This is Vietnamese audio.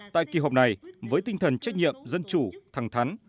tại kỳ họp này với tinh thần trách nhiệm dân chủ thẳng thắn